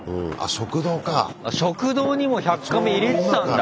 食堂にも１００カメ入れてたんだ！